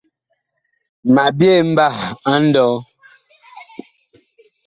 Ma byee mbah a nlɔɔ.